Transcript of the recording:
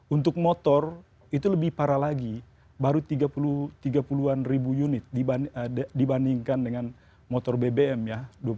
untuk motor itu lebih parah lagi baru tiga puluh an ribu unit dibandingkan dengan motor bbm ya